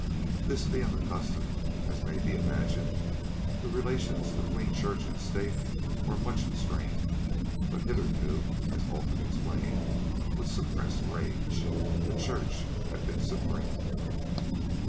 This being the custom, as may be imagined, the relations between church and state were much strained, but hitherto, as Olfan explained with suppressed rage, the church had been supreme.